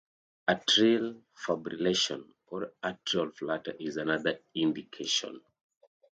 Atrial fibrillation or atrial flutter is another indication.